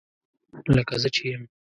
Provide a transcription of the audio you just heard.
لکه زه چې یم